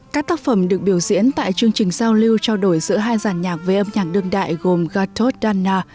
các tác phẩm được biểu diễn tại chương trình giao lưu trao đổi giữa hai giàn nhạc về âm nhạc đương đại gồm gatod dana